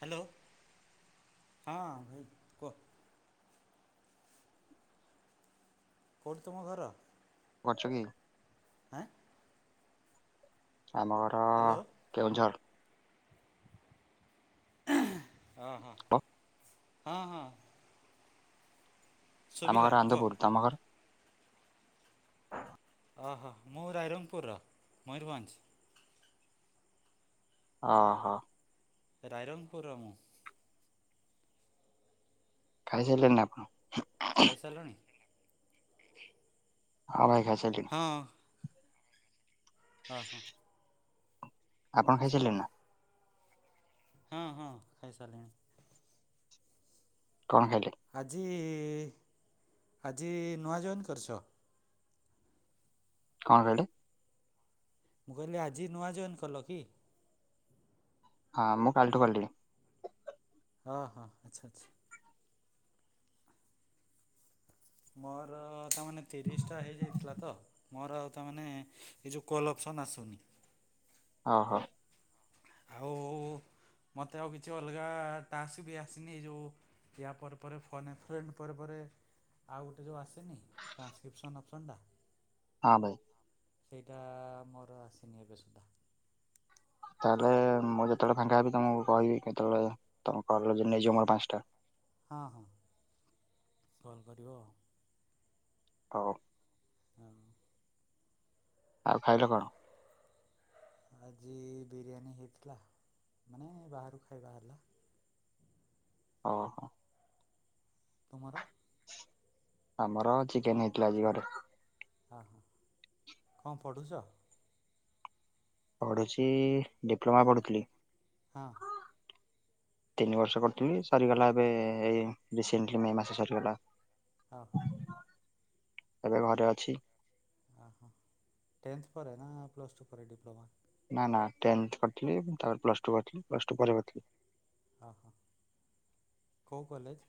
Hello, ହଁ ଭାଇ କୁହ। କୋଉଠି ତୁମ ଘର? କରୁଛୁ କି। ଆଁ, ଆମ ଘର ହାଲୋ। କେଉଁଝର ଓ ହୋ, ହଁ, ହଁ। ଆମ ଶୁଭିଲା ଘର କୁହ ଆନ୍ଧପୁରୁ। ତୋମ ଘର? ହଁ ଓହୋ, ମୁଁ ରାଇରଙ୍ଗପୁର ର ମୟୂରଭଞ୍ଜ। ଓହୋ। ରାଇରଙ୍ଗପୁର ର ମୁଁ। ଖାଇସାଇଲେଣି ନା ଆପଣ? ଖାଇସାରଲଣି? ହଁ ଭାଇ ଖାଇସାଇଲି। ହଁ ହଁ। ଓ, ହଁ। ଆପଣ ଖାଇସାଇଲେଣି ଆଚ୍ଛା ନା? ହଁ, ହଁ ଖାଇସାରିଲିଣି। କଣ ଖାଇଲେ? ଆଜି ଆଜି ନୂଆ ଜଏନ୍ କରିଛ? କଣ କହିଲେ? ମୁଁ କହିଲି ଆଜି ନୂଆ ଜଏନ୍ କଲ କି? ହଁ ମୁଁ କାଲିଠୁ କଲିିଣି। ହଁ, ହଁ, ଆଚ୍ଛା, ଆଚ୍ଛା। ମୋର ତାମାନେ ତିରିଶଟା ହେଇଯାଇଥିଲା ତ ମୋର ଆଉ ତାମାନେେ ଏଇ ଯୋଉ କଲ୍ ଅପସନ୍ ଆସୁନି। ଓହୋ। ଆଉ ମୋତେ ଆଉ କିଛି ଅଲଗା ଟାସ୍କ ବି ଆସିନି ଏଇ ଯୋଉ ୟା ପରେ ପରେ ଫୋନ୍ ଏ ଫ୍ରେଣ୍ଡ ପରେ ପରେ ଆଉ ଗୋଟେ ଯୋଉ ଆସିନି ଟ୍ରାନ୍ସକ୍ରିପ୍ସନ୍ ଅପସନ୍ ଟା। ହଁ ଭାଇ। ସେଇଟା ମୋର ଆସିନି ଏବେ ସୁଦ୍ଧା। ତାହେଲେ ମୁଁ ଯେତେବେଳେ ଫାଙ୍କା ହେବି ତମକୁ କହିବି କେତେବେଳେ ତମ କଲ୍ ଆଜି ନେଇଯିବ ମୋର ପାଞ୍ଚଟା। ହଁ ହଁ କଲ୍ କରିବ ଆଉ। ହଉ। ହଁ। ଆଉ ଖାଇଲ କଣ? ଆଜି ବିରିୟାନୀ ହେଇଥିଲା ମାନେ ବାହାରୁ ଖାଇବା ହେଲା। ଅହ। ତୁମର? ଆମର ଚିକେନ ହେଇଥିଲା ଆଜି ଘରେ। ହଁ ହଁ କଣ ପ଼ଢୁଚ? ପଢିଚି ଡିପ୍ଲମା ପଢ଼ୁଥିଲି। ହଁ। [inaudible] ତିନି ବର୍ଷ କରିୁଥିଲି, ସରିଗଲା ଏବେ ରିସେଣ୍ଟ୍ ମେ ମାସ, ସରିଗଲା। ଅହ। ଏବେ ଘରେ ଅଛି। ଅହ ଟେନ୍ଥେ ପରେ ନା ପ୍ଲସ୍‌ ଟୁ ଡିପ୍ଲମା? ନା ନା ଟେନ୍ଥେ କରିଥିଲି ତାପରେ ପ୍ଲସ୍ ଟୁ କରିଥିଲି ପ୍ଲସ୍ ଟୁ ପରେ କରିଥିଲି। ଅହ କୋଉ କଲେଜ୍?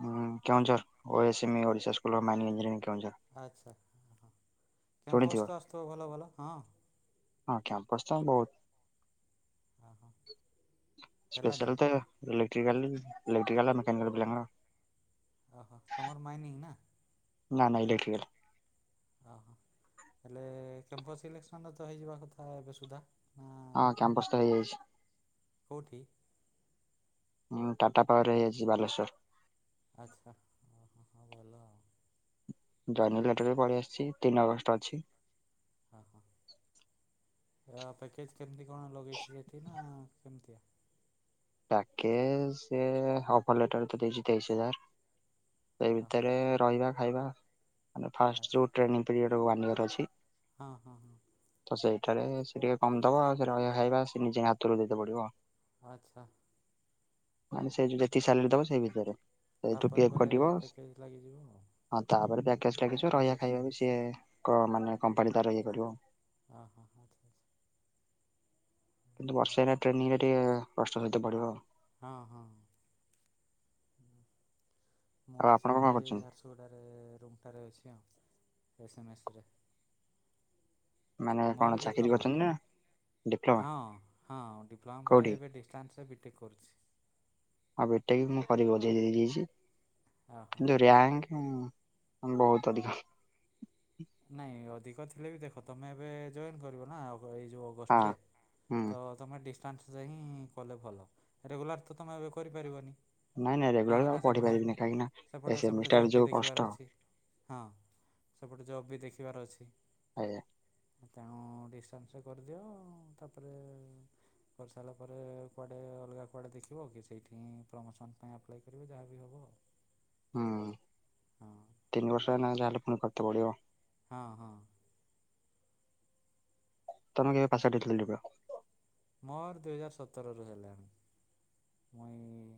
ହଁ, Keonjhar O S M E Odisha school mining engineering, Keonjhar. ଆଚ୍ଛା ହ, ଶୁଣିଥିବ କ୍ୟାମ୍ପସ୍ ତ ଆସୁଥିବ ଭଲ ଭଲ ହଁ। ହଁ କ୍ୟାମ୍ପସ ତ ଓହୋ ବହୁତ ହେଲାନି ସ୍ପେଶାଲ ତ ଇଲେକ୍ଟ୍ରିକାଲ, ମେକାନିକାଲ ପିଲାମାନଙ୍କର ଅହ ତମର ମାଇନିଂ ନା। ନା ନା ଇଲେକ୍ଟ୍ରିକାଲ। ଅ ହ ହେଲେ କ୍ୟାମ୍ପସ୍ ସିଲେକ୍ସନ୍ ତ ହେଇଯିବା କଥା ଏବେ ସୁଦ୍ଧା। ନା ଅ କ୍ୟାମ୍ପସ ତ ହେଇଯାଇଛି। କୋଉଠି? ହଁ, ଟାଟା ପାୱାର ରେ ହେଇଯାଛି, ବାଲେଶ୍ଵର। ଆଚ୍ଛା ହଁ ହଁ ଭଲ ଆଉ। ଜୈନିଙ୍ଗ୍ ଲେଟର ପଳେଇ ଆସିଛି ତିନି ଅଗଷ୍ଟ ରେ ଅଛି। ଅହ ଏ ପ୍ୟାକେଜ୍ କେମିତି କଣ ଲଗେଇଛି ଏଠି ନା କେମିତିଆ? ପ୍ୟାକେଜ ସେ ଅଫର ଲେଟର ତ ଦେଇଛି ତେଇଶି ହଜାର ସେ ହଁ ହଁ ଭିତରେ ରହିବା ଖାଇବା, ମାନେ ଫାଷ୍ଟ ଆଚ୍ଛା ଯେଉଁ ଟ୍ରେନିଂ ପିରିୟଡ଼ ୱାନ୍ ଇୟର୍ ଅଛି ହଁ ହଁ ହଁ। ତ ସେଇଟାରେ ସେ ଟିକେ କମ୍ ଦବ ଆଉ ସେ ରହିବା, ଖାଇବା ସେ ନିଜେ ହାତରୁ ଦେଇତେ ପଡିବ ଆଉ ଆଚ୍ଛା। ମାନେ ସେ ଯୋଉ ଯେତିି ସାଲେରୀ ଦବ ସେଇ ଭିତରେ। ସେଇଠୁ ତାପରେ ପିଇକେ ପରେ କଟିବ ପ୍ୟାକେଜ୍ ଲାଗିଯିବ ଆଉ ତାପରେ ପ୍ୟାକେଜ ଟା ବି ଲାଗି ଯିବ ରହିବା ବର୍ଷେ ଖାଇବା ବି ପରେ ସିଏ କ ମାନେ କମ୍ପାନୀ ତାର ଇଏ କରିବ। ହଁ ହଁ ହଁ। କିନ୍ତୁ ବର୍ଷ ଏଇନା ଟ୍ରେନିଂ ଟା ଟିକେ କଷ୍ଟ ସହିତେ ପଡିବ ଆଉ। ହଁ ହଁ ମୁଁ ଆଉ ଆପଣ ଅଛି କଣ ଏଠି କରୁଛନ୍ତି ଝାରସୁ ଗୁଡ଼ା ରେ ରୁମ୍ ଟାରେ ଅଛି ଆଉ। ଏସ୍-ମେସେ ରେ। ଆ ମୁଁ କଣ ବି ଚାକିରି ଡିପ୍ଲୋମା କରିଚନ୍ତି ନା? ଡିପ୍ଲୋମା ହଁ ହଁ ଡିପ୍ଲମା ପରେ କୋଉଠି? ଏବେ ଡିଷ୍ଟାନ୍ସରେ ବିଟେକ୍ କରୁଚି। ଆଉ, ବିଟେକ୍ ମୁଁ କରିିକି ବଜେଇ ଦେଇ ଯାଇଛି ଓହୋ କିନ୍ତୁ ରୟ୍ଯାଙ୍କ ହୁଁ, ବହୁତ ଅଧିକ ନାଇଁ, ଅଧିକ ଥିଲେ ବି ଦେଖ ତମେ ଏବେ ଜଏନ୍ କରିବ ନା ଏଇ ଯୋଉ ହଁ ଅଗଷ୍ଟରେ ହୁଁ ତ ତମେ ଡିଷ୍ଟାନ୍ସ ଯାହିଁ କଲେ ଭଲ। ରେଗୁଲାର ତ ତମେ, ଏବେ କରିପାରିବନି। ନାଇଁ ନାଇଁ ରେଗୁଲାର କାହିଁକି ଆଉ ନା ପଢି ସେପଟେ ପାରିବିନି କାହିଁକି ନା ଏ ସେପଟେ ସେପଟେ ସେମିଷ୍ଟାର ଜବ୍ ଯୋଉ ବି କଷ୍ଟ ଦେଖିବାର ଅଛି। ହଁ, ସେପଟେ ଜବ୍ ବି ଦେଖିବାର ଅଛି। ଆଜ୍ଞା ତେଣୁ ଡିଷ୍ଟାନ୍ସ ରେ କରିଦିଅ। ତାପରେ କରିସାରିଲା ପରେ କୁଆଡ଼େ ଅଲଗା କୁଆଡ଼େ ଦେଖିବ। କି ସେଇଠିଁ ପ୍ରମୋସନ୍ ପାଇଁ ଆପ୍ଲାଏ କରିବ, ଯାହା ବିି ହେବ ଆଉ। ହୁଁ, ହଁ ତିନି ବର୍ଷ ହେଲେ ଯାହେଲେ ପୁଣି କରତେ ପଡିବ। ହଁ, ହଁ। ତମେ, କେବେ ପାସ୍ ଆଉଟ୍ ହେଇଥିଲା? ମୋର, ଦୁଇହଜାର ସତର ରୁ ହେଲାଣି। ମୁଇଁ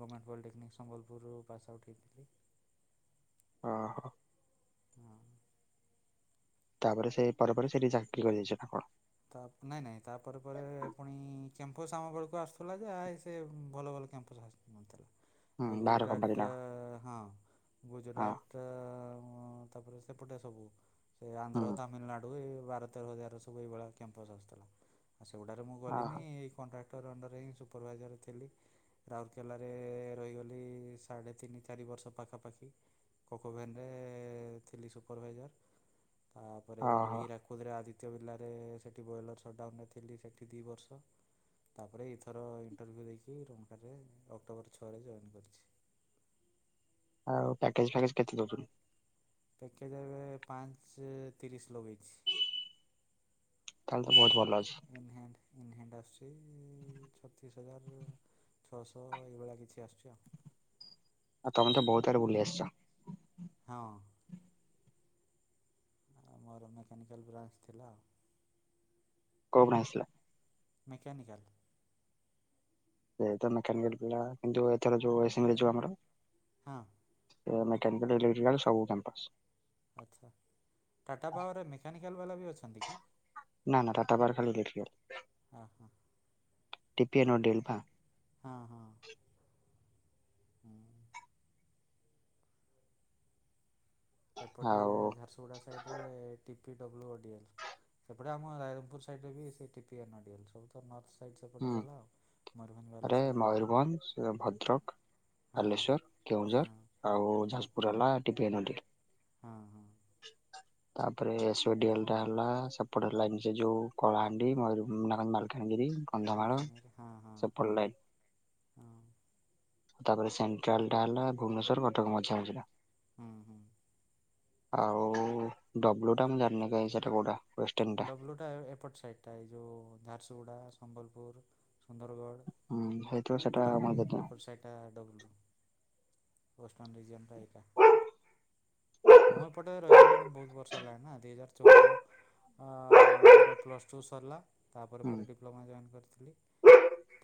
ଗମେଣ୍ଟ ପଲିଟେକ୍ନିକ୍ ସମ୍ବଲପୁରରୁ ପାସ୍ ଆଉଟ୍ ହୋଇଥିଲି। ଅ ହଁ। ହଁ। ତାପରେ ସେ ପରେ ପରେ ସେଠି ଚାକିରି କରିଦେଇଛି କଣ। ତା ନାଇଁ ନାଇଁ ତାପରେ ପରେ ପୁଣି କ୍ୟାମ୍ପସ୍ ଆମ ବେଳକୁ ଆସୁଥିଲା ଯେ ଆ ସେ ଭଲ ଭଲ କ୍ୟାମ୍ପସ୍ ଆ ହୁଁ ଏଇ ବାହାର କମ୍ପାନୀ ଗୁଜୁରାଟ ନା କଣ? ହଁ ହଁ ଗୁଜୁରାଟ ଟା ତାପରେ ସେପଟେ ସବୁ ସେ ହୁଁ ଆନ୍ଧ୍ର ତାମିଲନାଡୁ ବାର ତେର ହଜାର ର ସବୁ ଏଇ ଭଳିଆ କ୍ୟାମ୍ପସ ଆସୁଥିଲା। ଆ ସେଗୁଡା ରେ ମୁଁ ଗଲିନି ଓହୋ କଣ୍ଟ୍ରା କ୍ଟର ଅଣ୍ଡର ହିଁ ସୁପରଭାଇଜର ଥିଲି। ରାଉରକେଲାରେ ରହିଗଲି ସାଢ଼େ ତିନି ଚାରି ବର୍ଷ ପାଖାପାଖି। କୋକୋଭେନ ରେ ଥିଲି ସୁପରଭାଇଜର୍। ତାପରେ ଓହୋ ହିରାକୁଦରେ ଆଦିତ୍ୟ ବିର୍ଲା ରେ ସେଠି ବ୍ରଏଲର ସଟ୍ଡାଉନରେ ଥିଲି ସେଠି ଦୁଇ ବର୍ଷ। ତାପରେ ଏଇଥର ଇଣ୍ଟରଭ୍ୟୁ ଦେଇଚି ରୁମଟା ରେ ଅକ୍ଟୋବର ଛଅରେ ଜଏନ୍ କରିଚି। ଆଉ ପ୍ୟାକେଜ ଫ୍ୟାକେଜ କେତେ ଦଉଛନ୍ତି? ପ୍ୟାକେଜ୍ ଏବେ ପାଞ୍ଚ ତିରିଶ ଲଗେଇଛି। ତାହେଲେ ତ ବହୁତ ଭଲ ଅଛି। ଇନ ହ୍ୟାଣ୍ଡ ଇନ ହ୍ୟାଣ୍ଡ ଆସୁଚି ଛତିଶ ହଜାର। ଛଅଶହ ଏଇଭଳିଆ କିଛି ଆସୁଛି ଆଉ। ଆଉ ତମେ ତ ବହୁତ ଆଡେ ବୁଲି ଆସିଚ। ହଁ। ମୋର ମେକାନିକାଲ୍ ବ୍ରାଞ୍ଚ ଥିଲା ଆଉ। [unintelligible] ଆସିଲ। ମେକାନିକାଲ। ସେ ତ ମେକାନିକାଲ ପିଲା କିନ୍ତୁ ଏଥର ଯୋଉ [unintelligible] ଆମର। ହଁ। ମେକାନିକାଲ୍ ଇଲେଟ୍ରିକାଲ୍ ସବୁ କ୍ୟାମ୍ପସ। ଆଚ୍ଛା। ଟାଟା ପାୱାର ରେ ମେକାନିକାଲ ବାଲା ବି ଅଛନ୍ତି କି? ନା ନା ଟାଟା ପାୱାର ରେ ଖାଲି ଇଲେକ୍ଟ୍ରିକାଲ। ହଁ ହଁ [unintelligible] ହଁ ହଁ। ହୁଁ। ଏପଟେ ଆଉ ଝାରସୁଗୁଡ଼ା ସାଇଟେ ରେ ଟିପିଡବ୍ଲୁଓଡିଏଲ୍। ସେପଟେ ଆମ ରାଇରଙ୍ଗପୁର ସାଇଟ ରେ ବି ସେଇ ଟିିପିଏନ୍ଓଡିଏଲ ସବୁ। ତ ନର୍ଥ ସାଇଡ଼୍ ସେପଟେ ହୁଁ ଗଲା ଆଉ। ମୟୂରଭଞ୍ଜ ଆରେ ବାଲେଶ୍ୱର ମୟୂରଭଞ୍ଜ, ଭଦ୍ରକ ହଁ ବାଲେଶ୍ଵର, କେଉଁଝର ହଁ। ଆଉ ହୁଁ ଯାଜପୁର ହେଲା ଡିପିଏନ୍ଓଡିଏଲ୍। ହଁ ହଁ। [inaudible] ତାପରେ ଏସୋଓଡିଏଲ୍ ଟା ହେଲା ସେପଟ ଯୋଉ କଳାହାଣ୍ଡି, ମାଲକାନଗିରି କନ୍ଧମାଳ ମାଲକାନଗିରି ହଁ ହଁ ସେପଟ ଲାଇନ। ହଁ ତାପରେ ସେଣ୍ଟ୍ରାଲ ଟା ହେଲା ଭୁବନେଶ୍ୱର, କଟକ ମଝି ମଝି ଟା। ହୁଁ ହୁଁ। ଆଉ ଡବ୍ଲୁ ଟା ମୁଁ ଜାଣିନି କାଇଁ ସେଟା କୋଉଟା। ୱେଷ୍ଟର୍ଣ୍ଣ ଟା ଡବ୍ଲୁଟା ଏପଟ ସାଇଟ୍ ଟା ଏଇ ଯଉ ଝାରସୁଗୁଡ଼ା ସମ୍ବଲପୁର। ସୁନ୍ଦରଗଡ଼ ହୁଁ ହେଇଥିବ ସେଟା ମନେ ବଲାଙ୍ଗୀର ଦେଖିବା। ଏପଟ ସାଇଟ୍। [unintelligible] ଡବ୍ଲୁ ପଷ୍ଟମା ରିନଜିମ ରାଇଟ ମୁଁ ଏପଟେ ରହିଗଲିଣି ବହୁତ ବର୍ଷ ହେଲାଣି ନା ଦିଇ ହଜାର ଚଉଦ। ଆଃ ମୋର ପ୍ଲସ୍ ଟୁ ସରିଲା ତାପରେ ହୁଁ ପରେ ଡିପ୍ଲୋମା ଜଏନ୍ କରିଥିଲି।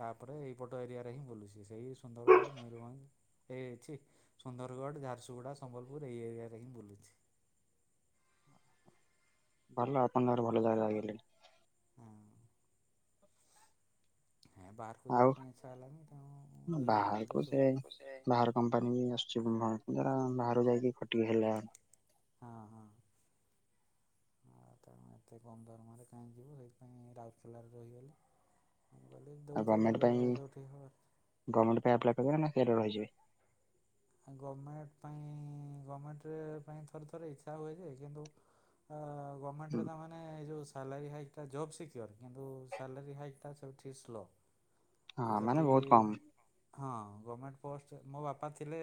ତାପରେ ଏଇପଟ ଏରିଆରେ ହିଁ ବୁଲୁଛି ସେଇ ସୁନ୍ଦରଗଡ଼ ମୟୂରଭଞ୍ଜ। ଏଇ ଅଛି ସୁନ୍ଦରଗଡ଼ ଝାରସୁଗୁଡ଼ା ସମ୍ବଲପୁର ଏଇ ଏରିଆରେ ହିଁ ବୁଲୁଛି। ଭଲ ଆପଣଙ୍କର ଭଲ ଜାଗା ଲାଗିଲେଣି। ହଁ। ହଁ ବାହାରକୁ ଯିବା ଆଉ ପାଇଁ ଇଚ୍ଛା ହେଲାନି ତ ଆଉ ରହିଗଲେ ବାହାରକୁ ଏପଟେ ସେ ସବୁ। ବାହାର କମ୍ପାନୀ ବି ଆସଛି [unintelligible] ବାହାରୁ ଯାଇକି ଖଟିକି ହେଲା। ଆଁ ତେଣୁ ଏତେ କମ ଦରମାରେ କାହିଁ ଯିବୁ ସେଇଥିପାଇଁ ରାଉରକେଲାରେ ରହିଗଲି। ମୁଁ କହିଲି ଆଉ ଦଉଥାଏ ଗମେଣ୍ଟ ଯେବେ ପାଇଁ ଯୋଉଠି ହବ ଗମେଣ୍ଟ ପାଇଁ ଆପ୍ଲାଏ କରିବ ନା ସେ ରହିଯିବେ। ଗମେଣ୍ଟ ତାଙ୍କ ଉଁ ଗମେଣ୍ଟ ପାଇଁ ଥରେ ଥରେ ଇଚ୍ଛା ହୁଏ ଯେ କିନ୍ତୁ ଆଃ ଗମେଣ୍ଟ ରେ ହୁଁ। ତା ମାନେ ମାନେ ଯୋଉ ସାଲାରୀ ହାଇଟା ଜବ ସିକର କିନ୍ତୁ ସାଲାରୀ ହାଇକ୍ ଟା ସଠି ସ୍ଲୋ। ହଁ ମାନେ ଯଦି ବହୁତ କମ ହଁ ଗମେଣ୍ଟ ପୋଷ୍ଟ ମୋ ବାପା ଥିଲେ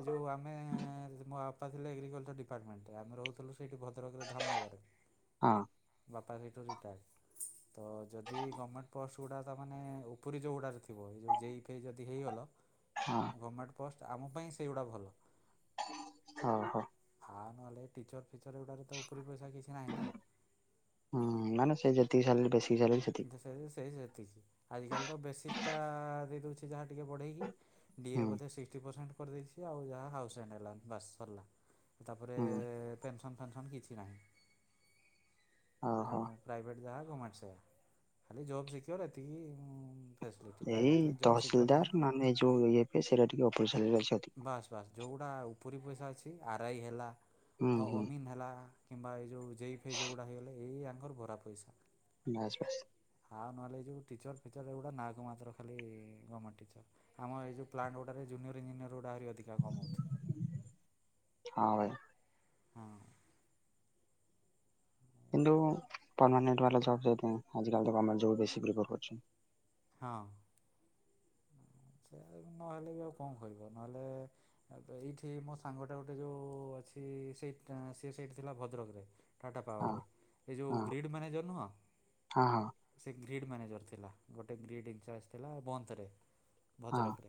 ଏ ଯେଉଁ ଆମେ ମୋ ବା ପା ଥିଲେ ଏଗ୍ରିକଲଚର ଡିପାର୍ଟମେଣ୍ଟରେ ଆମେ ରହୁଥିଲୁ ସେଇଠି ଭଦ୍ରକରେ ଧାମନଗରରେ। ହଁ ବାପା ସେଇଠୁ ରିଟାୟାର୍ଡ଼ ତ ଯଦି ଗମେଣ୍ଟ ପୋଷ୍ଟ ଗୁଡ଼ା ତା ମାନେ ଉ ପୁରୀ ଯେଉଁଗୁଡ଼ାରେ ଥିବ ଏଇ ଯେଉଁ ଯେଇ ଫେଇ ଯଦି ହେଇଗଲା। ହଁ। ଗମେଣ୍ଟ ପୋଷ୍ଟ ଆମ ପାଇଁ ସେଇଗୁଡ଼ା ଭଲ। ହଁ ହଁ। ହ ନହେଲେ ଟିଚର ଫିଚର ଏଗୁଡାରେ ତ ଉପରେ ପଇସା କିଛି ନାହିଁ ନା। ହୁଁ ମାନ ସେଇ ଯେତିିକ ସାଲେରୀ ବେ କିନ୍ତୁ ସେ ସେ ସେତିକି ଆଜିିକାଲି ତ ବେସିକ ଟା ଦେଇ ଦଉଛି ଯାହା ଟିକେ ବଢେଇକି। ଡିଏ ହୁଁ ବୋଧେ ସିକ୍ସଟି ପରସେଣ୍ଟ କରିଦେଇଛି ଆଉ ଯାହା ହାଉସରେଣ୍ଡ ହେଲା ବାସ ସରିଲା। ତାପରେ ହୁଁ ପେନ୍ସନ୍ ଫେନ୍ସନ୍ କିଛି ନାହିଁ ଓହୋ ତେଣୁ ପ୍ରାଇଭେଟ୍ ଯାହା ଗମେଣ୍ଟ ଖାଲି ଜୋବ୍ ସିକ୍ୟୋର ଏତିକି ଉଁ ଏଇ ତହସିଲଦାର ମାନେ ଯୋଉ ଇଏ ଫିଏ ସେଇଟା ଟିକେ ଅପରିସାରେ ଅଛି ଆଉ। ବାସ ଯେଉଁଗୁଡ଼ା ଉପରି ପଇସା ଅଛି ଆର ଆଇ ହେଲା ହୁଁ ତ ହୁଁ ଅମିନ୍ ହେଲା। କିମ୍ବା ଏଇ ଯେଉଁ ଜେଇ ଫେଇ ଯେଉଁଗୁଡ଼ା ହେଇଗଲା ଏଇ ଆଙ୍କର ଭରା ପଇସା। ବାସ୍ ବାସ୍। ହାଁ ନହେଲେ ଏ ଯୋଉ ଟିଚର ଫିଚର ଏଗୁଡା ନାକୁ ମାତ୍ର ଖାଲି ଗମେଣ୍ଟ ଟିଚର। ଆମ ଏଇ ଯଉ ପ୍ଲାଟ ଗୁଡା ଜୁନିୟର ଇଞ୍ଜିନିୟର ଗୁଡାକ ଆହୁରି ଅଧିକ କମଉ ଥିବେ। ହଁ ଭାଇ। ହଁ। କିନ୍ତୁ ପରମାନେଟ ବାଲା ଜବ ଯୋଉଥିପାଇଁ ଆଜିକାଲି ତ ଗମେଣ୍ଟ ଜବ କୁ ବେଶି [unintelligible] କରୁଚନ୍ତି। ହଁ। ସେ ନହେଲେ ବି ଆଉ କଣ କରିବ ନହେଲେ ଏଇଠି ମୋ ସାଙ୍ଗଟା ଗୋଟେ ଯୋଉ ଅଛି ସେଇ ସେ ସେଇଠି ଥିଲା ଭଦ୍ରକରେ। ଟାଟା ହଁ ପାୱାରରେ ଏ ଯେଉଁ ହଁ ଗ୍ରୀଡ଼୍ ମ୍ୟାନେଜର ନୁହଁ। ହଁ ହଁ ସେ ଗ୍ରୀଡ଼୍ ମ୍ୟାନେଜର ଥିଲା ଗୋଟେ ଗ୍ରୀଡ଼୍ ଇନଚାର୍ଜ ଥିଲା ବନନ୍ଦରେ ହଁ ଭଦ୍ରକରେ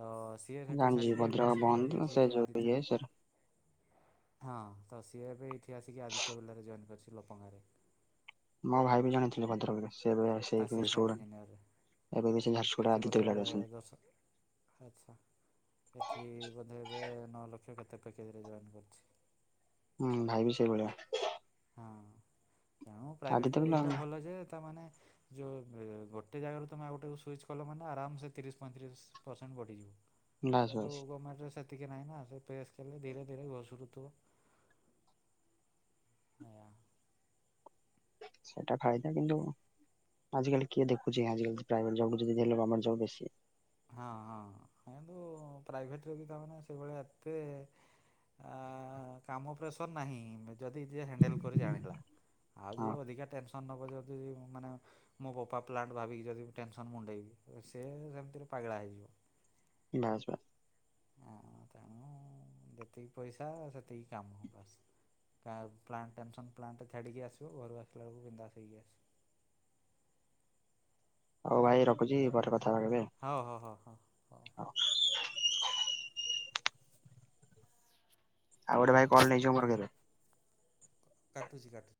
ତ ସିଏ ସେଇଠୁ ଜାଣିଛି ଛାଡ଼ିକି ଏବେ ଭଦ୍ରକ ଆସିକି ଜଏନ୍ ବନ୍ଦ କରି ସେ ଏଇଠି ଯୋଉ ଆଦିତ୍ୟ ଇଏ ସେ ହଁ ତ ସିଏ ଏବେ ଏଇଠି ଆସିକି ଆଦିତ୍ୟ ବିର୍ଲାରେ ଜଏନ କରିଛି ଲପଙ୍ଗାରେ। ମୋ ଭାଇ ବି ଜଣେ ଥିଲେ ଭଦ୍ରକରେ। ସେ ଏବେ ବି ଆସିଷ୍ଟାଣ୍ଟ ସୋଡା ଇଞ୍ଜିନିୟରରେ ଏବେବି ସେଇ ଝାରସୁଗୁଡା ଏଠି ଆଦିତ୍ୟ ବୋଧେ ବିର୍ଲାରେ ଅଛନ୍ତି। ଦଶ ଆଚ୍ଛା। ସେଠି ବୋଧେ ଏବେ ନଅ ଲକ୍ଷ କେତେ ପ୍ୟାକେଜରେ ଜଏନ୍ କରିଛି। ହୁଁ ଭାଇ ବିି ସେଇଭଳିଆ। ହଁ ତେଣୁ ଆଦିତ୍ୟ ପ୍ରାଇଭେଟରେ ବିର୍ଲା ଏଇଟା ଭଲ ଯେ ତାମାନେ ଯୋଉ ଏବେ ଗୋଟେ ଜାଗାରୁ ତମେ ଆଉ ଗୋଟେ ସୁଇଚ୍ କଲ ମାନେ ଆରାମ ସେ ତିରିଶ ପଇଁତିରିଶ ପରସେଣ୍ଟ ବଢିଯିବ। ବାସ୍ କିନ୍ତୁ ବାସ୍ ଗମେଣ୍ଟରେ ସେତିକି ନାହିଁ ନା ସେ ପ୍ରେସ୍ କଲେ ଧୀରେ ଧୀରେ ଘଷୁରୁଥୁବ। [unintelligible] ସେଟା ଫଇଦା କିନ୍ତୁ ଆଜି କାଲି କିଏ ଦେଖୁଚି ଆଜି କାଲି ପ୍ରାଇଭେଟ ଜବ୍ କୁ ଯଦି [unintelligible] ହେଲେ ଗମେଣ୍ଟ୍ ଜବ୍ ବେଶୀ। ହଁ ହଁ [unintelligible] ପ୍ରାଇଭେଟରେ ବି ତାମାନେ ସେଇଭଳିଆ ଏତେ ଆ କାମ ପ୍ରେସର ନାହିଁ ଯଦି ଯିଏ ହେଣ୍ଡେଲ କରି ଜାଣିଲା। ଆଉ ଯିଏ ହଁ ଅଧିକା ଟେନ୍ ସନ୍ ନବ ଯଦି ମାନେ ମୋ ବୋପା ପ୍ଲାଣ୍ଟ ଭାବିକି ଯଦି ଟେନ୍ସନ୍ ମୁଣ୍ଡେଇବି ସେ ସେମିତିରେ ପାଗେଳା ହେଇଯିବ। ବାସ୍ ବାସ୍। ଆଉ ତେଣୁ ଯେତିକି ପଇସା ସେତିକି କାମ ବାସ୍। [unintelligible] ପ୍ଲାଣ୍ଟ ଟେନସନ ପ୍ଲାଣ୍ଟରେ ଛାଡ଼ିକି ଆସିବ ଘରୁ ଆସିଲା ବେଳୁକୁ ବିନ୍ଧାସ ହେଇକି ଆସି ହଉ ଭାଇ ରଖୁଚି ପରେ କଥା କେବେ? ହଉ ହଉ ହଉ ହଉ ହଉ। ଆଉ ଗୋଟେ ଭାଇ କଲ ନେଇଯିବ ମୋର କେବେ? କାଟୁଚି କାଟୁ।